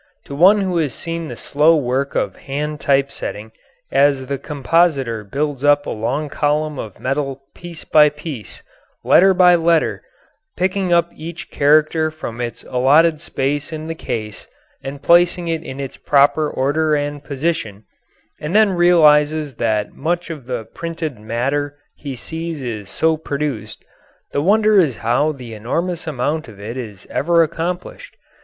To one who has seen the slow work of hand typesetting as the compositor builds up a long column of metal piece by piece, letter by letter, picking up each character from its allotted space in the case and placing it in its proper order and position, and then realises that much of the printed matter he sees is so produced, the wonder is how the enormous amount of it is ever accomplished.